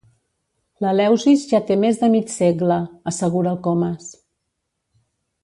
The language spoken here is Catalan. L'Eleusis ja té més de mig segle —assegura el Comas—.